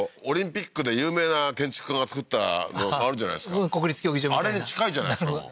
オリンピックで有名な建築家が造ったのあるじゃないですか国立競技場みたいなあれに近いじゃないですか